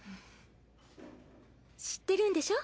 知ってるんでしょ？